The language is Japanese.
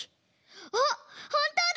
あっほんとうだ！